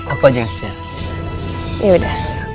aku aja yang setia